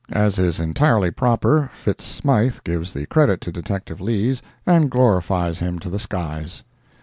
As is entirely proper, Fitz Smythe gives the credit to detective Lees, and glorifies him to the skies.